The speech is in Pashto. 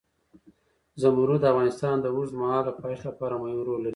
زمرد د افغانستان د اوږدمهاله پایښت لپاره مهم رول لري.